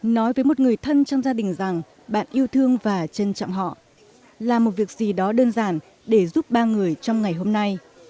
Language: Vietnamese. nói với một người thân trong gia đình rằng bạn yêu thương và trân trọng họ là một việc gì đó đơn giản để giúp ba người trong ngày hôm nay